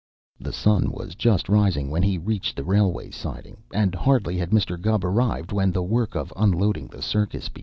The sun was just rising when he reached the railway siding, and hardly had Mr. Gubb arrived when the work of unloading the circus began.